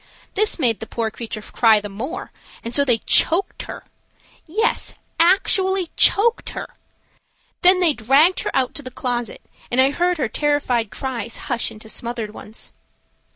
This made the poor creature cry the more, and so they choked her. Yes, actually choked her. Then they dragged her out to the closet, and I heard her terrified cries hush into smothered ones.